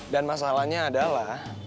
dan masalahnya adalah